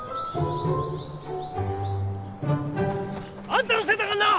あんたのせいだからな！